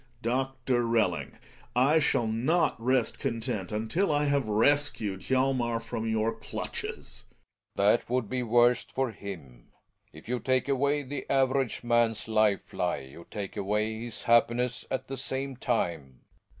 Doctor Belling, I shall not rest content until I have rescued Hjalmer from your clutches ! Belling. That would be worst for him. If you take away the average man's life lie you take away his happiness at the same time.